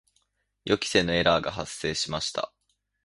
予期せぬエラーが発生しました。